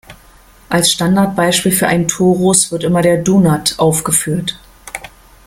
Als Standardbeispiel für einen Torus wird immer der Donut aufgeführt.